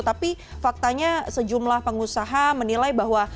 tapi faktanya sejumlah pengusaha menilai bahwa